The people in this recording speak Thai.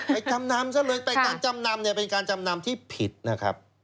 จำนำซะเลยไปการจำนำเนี่ยเป็นการจำนำที่ผิดนะครับ